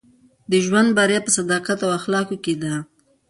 د ژوند بریا په صداقت او اخلاقو کښي ده.